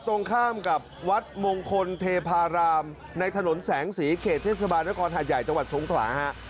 ตรงข้ามกับวัดมงคลเทพารามในถนนแสงสีเขตเทศบาลนครหาดใหญ่จังหวัดสงขลาฮะ